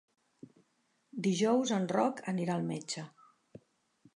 Dijous en Roc anirà al metge.